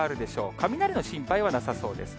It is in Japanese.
雷の心配はなさそうです。